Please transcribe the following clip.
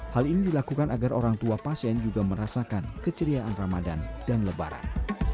hal ini dilakukan agar orang tua pasien juga merasakan keceriaan ramadan dan lebaran